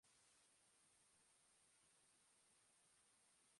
Horietatik zazpik lortuko dute txartela igandean jokatuko den lehen jardunaldirako.